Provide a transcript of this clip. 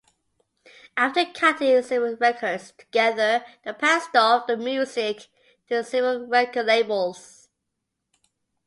After cutting several records together, they passed off the music to several record labels.